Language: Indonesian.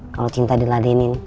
kalau cinta diladenin